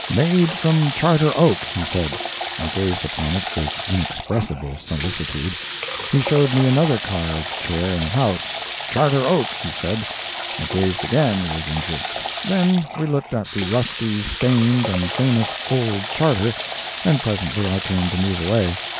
"Made from Charter Oak," he said. I gazed upon it with inexpressible solicitude. He showed me another carved chair in the House, "Charter Oak," he said. I gazed again with interest. Then we looked at the rusty, stained and famous old Charter, and presently I turned to move away.